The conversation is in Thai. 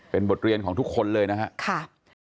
เป็นบทเรียนของทุกคนเลยนะครับ